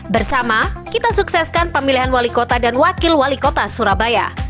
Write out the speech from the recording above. bersama kita sukseskan pemilihan wali kota dan wakil wali kota surabaya